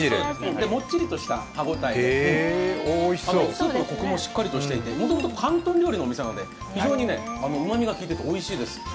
もっちりとした歯応えで、スープもコクがしっかりしていてもともと広東料理のお店なんで非常にうまみが効いていておいしいです。